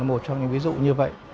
đó là một trong những ví dụ như vậy